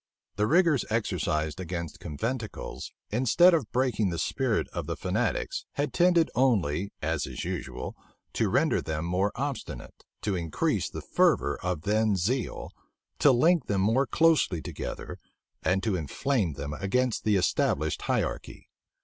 The rigors exercised against conventicles, instead of breaking the spirit of the fanatics, had tended only, as is usual, to render them more obstinate, to increase the fervor of then zeal, to link them more closely together, and to inflame them against the established hierarchy.